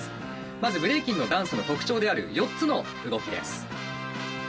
まずブレイキンのダンスの特徴である４つの動きです。